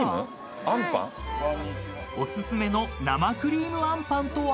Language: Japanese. ［おすすめの生クリームあんぱんとは？］